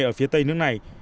ở phía tây nước này